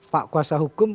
pak kuasa hukum